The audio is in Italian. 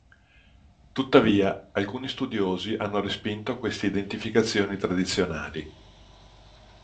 Tuttavia, alcuni studiosi hanno respinto queste identificazioni tradizionali.